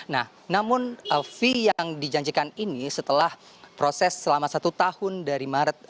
nah namun fee yang dijanjikan ini setelah proses selama satu tahun dari maret